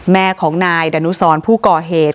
แม่ของนายดานุสรผู้ก่อเหตุ